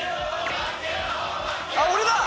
あっ俺だ！